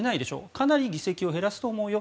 かなり議席を減らすと思うよ